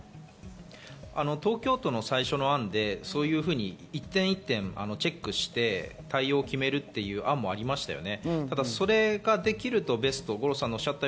東京都の最初の案で、一点一点をチェックして対応を決めるという案もありましたよね。